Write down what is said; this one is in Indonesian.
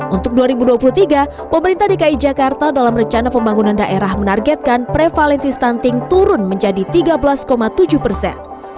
untuk dua ribu dua puluh tiga pemerintah dki jakarta dalam rencana pembangunan daerah menargetkan prevalensi stunting turun menjadi tiga belas tujuh persen